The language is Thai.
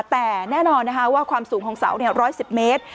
แต่แน่นอนว่าความสูงของเสา๑๑๐เมตร